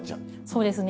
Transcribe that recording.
そうですね。